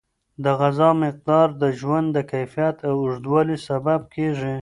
د غذا مقدار د ژوند د کیفیت او اوږدوالي سبب کیږي.